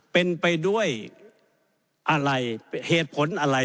เป็นไปด้วยอะไรเหตุผลอะไร